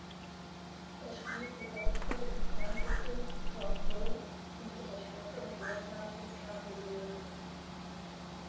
Er spielte die Hauptrolle im Fernsehfilm "John Doe" und in der späteren gleichnamigen Fernsehserie.